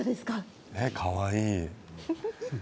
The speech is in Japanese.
かわいい。